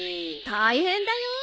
大変だよ。